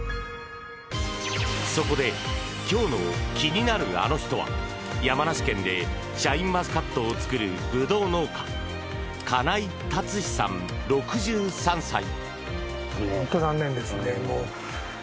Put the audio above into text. そこで、今日の気になるアノ人は山梨県でシャインマスカットを作るブドウ農家金井達志さん、６３歳。